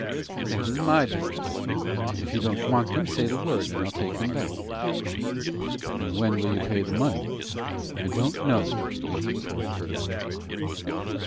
"That is my business. If you don't want them, say the word, and I'll take them back." "And when will you pay the money?" "I don't know," answered Ford, curtly.